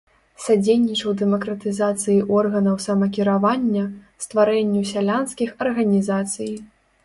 Садзейнічаў дэмакратызацыі органаў самакіравання, стварэнню сялянскіх арганізацый.